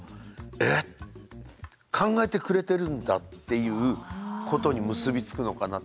えっ考えてくれてるんだっていうことに結び付くのかな。